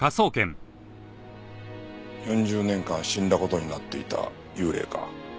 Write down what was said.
４０年間死んだ事になっていた幽霊か。